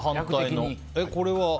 これは？